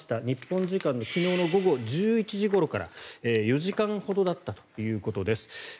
日本時間の昨日午後１１時ごろから４時間ほどだったということです。